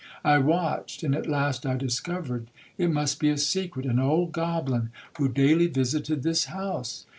I watched, and at last I discovered—it must be a secret—an old goblin, who daily visited this house.